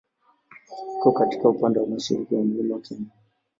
Iko katika upande wa mashariki mwa Mlima Kenya.